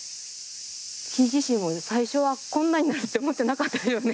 木自身も最初はこんなになるって思ってなかったよね